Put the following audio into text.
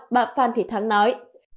bà phan thị thắng nói